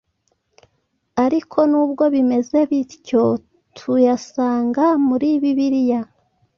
ariko nubwo bimeze bityo tuyasanga muri Bibiliya,